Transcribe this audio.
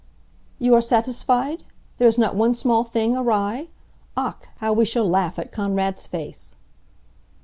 "You are satisfied. There is not one small thing awry? Ach, how we shall laugh at Konrad's face."